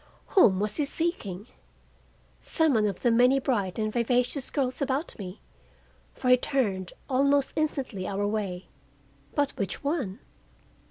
Whom was he seeking? Some one of the many bright and vivacious girls about me, for he turned almost instantly our way. But which one?